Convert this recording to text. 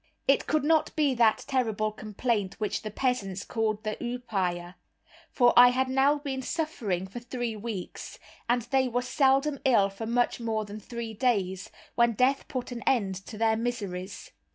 It could not be that terrible complaint which the peasants called the oupire, for I had now been suffering for three weeks, and they were seldom ill for much more than three days, when death put an end to their miseries.